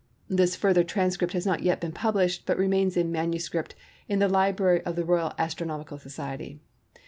This further transcript has not yet been published, but remains in MS. in the Library of the Royal Astronomical Society.